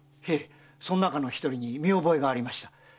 へえその中の一人に見覚えがありました。